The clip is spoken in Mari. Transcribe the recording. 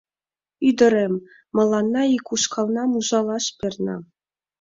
— Ӱдырем, мыланна ик ушкалнам ужалаш перна.